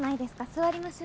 座りましょ。